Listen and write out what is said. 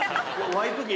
ワイプ芸？